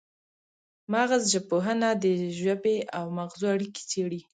مغزژبپوهنه د ژبې او مغزو اړیکې څیړي